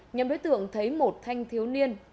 nhóm đối tượng thấy một thanh thiếu niên